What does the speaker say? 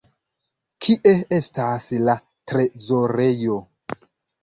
Kie estas la trezorejo?